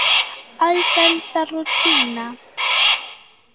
Ai... Canta rutina!